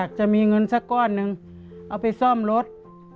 อยากจะมีเงินสักกว่านึงถ้าเราจะจะฟังเป็นบริการร์มรถ